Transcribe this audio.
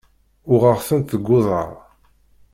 Uɣeɣ-tent deg uḍar.